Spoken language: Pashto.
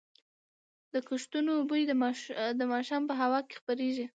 د کښتونو بوی د ماښام په هوا کې خپرېږي.